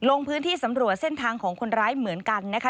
ลงพื้นที่สำรวจเส้นทางของคนร้ายเหมือนกันนะคะ